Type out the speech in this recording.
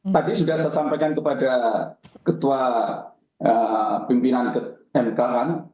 tadi sudah saya sampaikan kepada ketua pimpinan mk kan